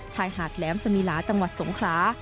ชายหาดแหลมสมิลาจังหวัดสงครา